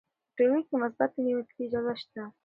په ټولګي کې مثبتې نیوکې ته اجازه سته.